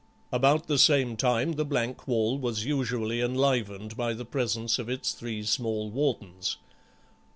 About the same time the blank wall was usually enlivened by the presence of its three small wardens.